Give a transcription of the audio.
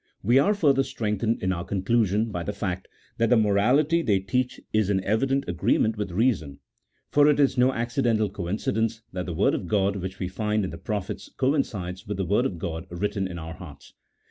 We are further strengthened in our conclusion by the fact that the morality they teach is in evident agree ment with reason, for it is no accidental coincidence that the Word of God which we find in the prophets coincides with the Word of G od written in our hearts.